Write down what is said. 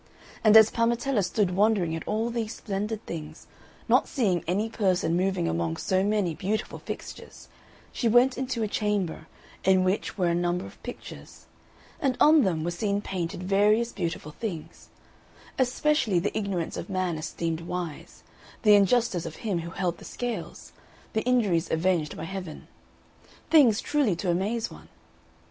And as Parmetella stood wondering at all these splendid things, not seeing any person moving among so many beautiful fixtures, she went into a chamber, in which were a number of pictures; and on them were seen painted various beautiful things especially the ignorance of man esteemed wise, the injustice of him who held the scales, the injuries avenged by Heaven things truly to amaze one.